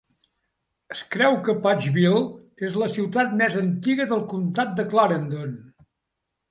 Es creu que Paxville és la ciutat més antiga del comtat de Clarendon.